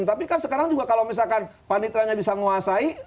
tapi kan sekarang juga kalau misalkan panitranya bisa menguasai